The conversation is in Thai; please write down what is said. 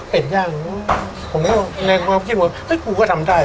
เป็ดยังผมก็ในความคิดผมก็ทำได้